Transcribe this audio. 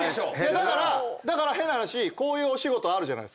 だから変な話こういうお仕事あるじゃないですか。